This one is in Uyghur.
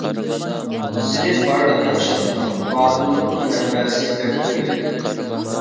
سېنى بارلىق ياخشىلىق، ئادىللىقنىڭ مەنبەسى دەپ ئويلىدىم.